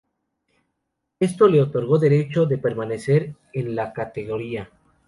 Esto le otorgó el derecho de permanecer en la categoría.